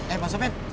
eh pak sofyan